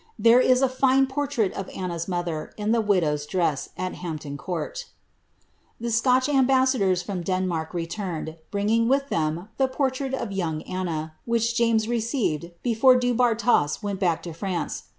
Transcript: There is a fine portrait of Anna's mother, in her widow^s dress, at Hampton Court The Scotch ambassadors from Denmark returned, bringing with them the portrait of young Anna, which James received before Du Bartas went back to France.